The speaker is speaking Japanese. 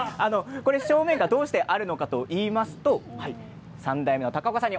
どうして正面があるかといいますと３代目の高岡さんに